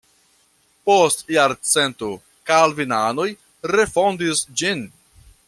Post jarcento kalvinanoj refondis ĝin.